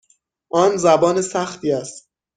آن زبان سختی است.